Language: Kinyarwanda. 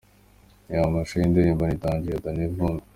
Reba amashusho y'indirimbo 'Ni danger' ya Dany Vumbi.